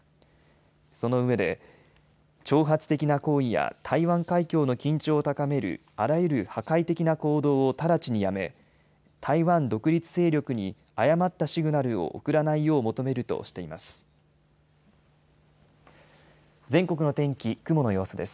そのうえで挑発的な行為や台湾海峡の緊張を高めるあらゆる破壊的な行動を直ちにやめ台湾独立勢力に誤ったシグナルを送らないよう求めるとしています。